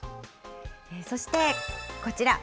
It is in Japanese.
そして、こちら。